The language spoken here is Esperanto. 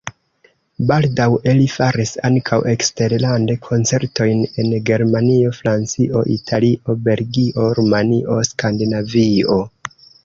Baldaŭe li faris ankaŭ eksterlande koncertojn en Germanio, Francio, Italio, Belgio, Rumanio, Skandinavio.